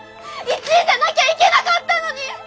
１位じゃなきゃいけなかったのに！